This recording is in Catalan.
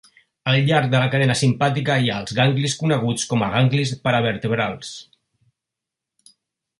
Al llarg de la cadena simpàtica hi ha els ganglis coneguts com a ganglis paravertebrals.